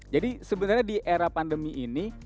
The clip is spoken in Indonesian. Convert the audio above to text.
jadi sebenarnya di era pandemi ini